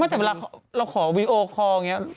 ต้องมีแต่คนในโซเชียลว่าถ้ามีข่าวแบบนี้บ่อยทำไมถึงเชื่อขนาดใด